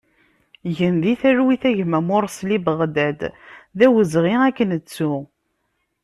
Gen di talwit a gma Morsli Baɣdad, d awezɣi ad k-nettu!